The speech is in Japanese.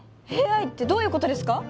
ＡＩってどういうことですか？